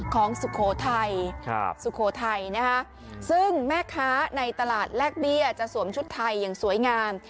สุโขทัยสุโขทัยนะคะซึ่งแม่ค้าในตลาดแลกเบี้ยจะสวมชุดไทยอย่างสวยงาม